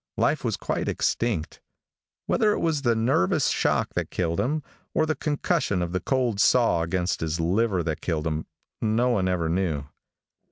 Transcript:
Life was quite extinct. Whether it was the nervous shock that killed him, or the concussion of the cold saw against his liver that killed him, no one ever knew.